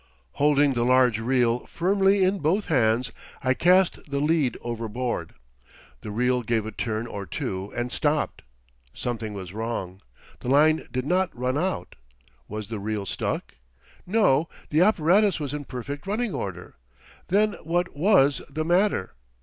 Holding the large reel firmly in both hands, I cast the lead overboard. The reel gave a turn or two and stopped. Something was wrong. The line did not run out. Was the reel stuck? No, the apparatus was in perfect running order. Then what was the matter?